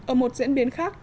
ở một diễn biến khác